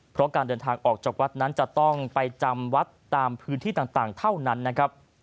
เพราะการเดินทางออกจากวัดนั้นจะต้องไปจำวัดตามพื้นที่ต่างเท่านั้นนะครับ